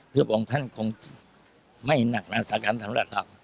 พระองค์ท่านคงไม่นักมากสากรรมธรรมดาเรา